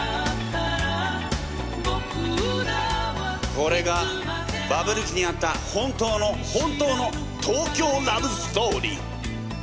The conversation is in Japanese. これがバブル期にあった本当の本当の東京ラブストーリー。